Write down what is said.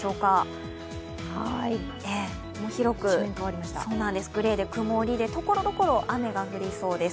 広く曇りでところどころ雨が降りそうです。